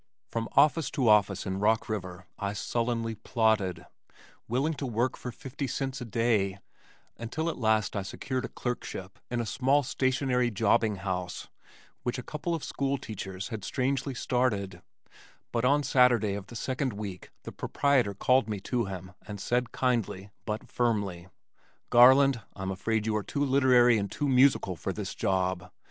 From office to office in Rock River I sullenly plodded, willing to work for fifty cents a day, until at last I secured a clerkship in a small stationery jobbing house which a couple of school teachers had strangely started, but on Saturday of the second week the proprietor called me to him and said kindly, but firmly, "Garland, I'm afraid you are too literary and too musical for this job.